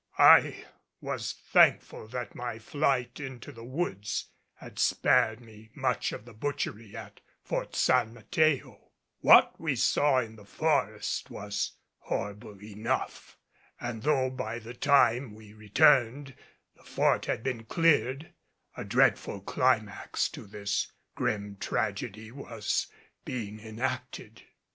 I was thankful that my flight into the woods had spared me much of the butchery at Fort San Mateo; what we saw in the forest was horrible enough, and though by the time we returned the Fort had been cleared, a dreadful climax to this grim tragedy was being enacted.